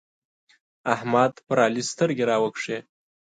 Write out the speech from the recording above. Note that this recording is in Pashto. احمد پر علي سترګې راوکښې.